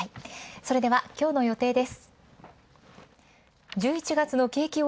それでは今日の予定です。